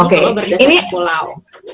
kalau berdasarkan pulau